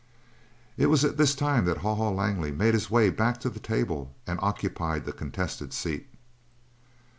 It was at this time that Haw Haw Langley made his way back to the table and occupied the contested seat.